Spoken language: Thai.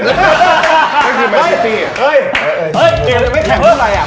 เมื่อกี๊แม่ตี้